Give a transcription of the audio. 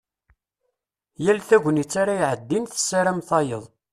Yal tagnit ara iɛeddin tessaram tayeḍ.